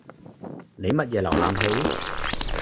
你乜嘢瀏覽器？